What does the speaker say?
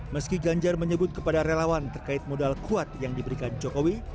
meski ganjar menyebut kepada relawan terkait modal kuat yang diberikan jokowi